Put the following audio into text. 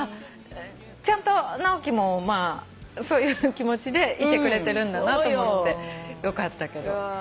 ちゃんと直樹もそういう気持ちでいてくれてるんだなと思ってよかったけど。